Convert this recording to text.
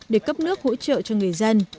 để cấp nước hỗ trợ cho người dân